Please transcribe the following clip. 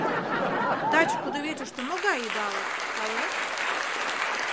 Таче кудывечыште могай идалык, палет?